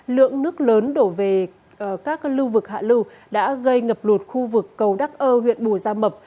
lượng nước lớn đổ về các lưu vực hạ lưu đã gây ngập lụt khu vực cầu đắc ơ huyện bù gia mập